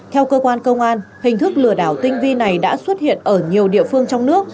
theo cơ quan công an hình thức lừa đảo tinh vi này đã xuất hiện ở nhiều địa phương trong nước